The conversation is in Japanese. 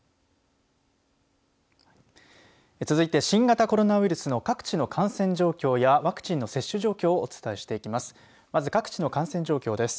続いて新型コロナウイルスの各地の感染状況やワクチンの接種状況をお伝えしていきます。